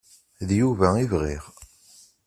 D Yuba i bɣiɣ.